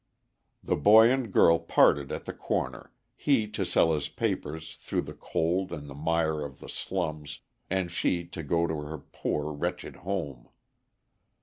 The boy and girl parted at the corner, he to sell his papers through the cold and the mire of the slums, and she to go to her poor, wretched home.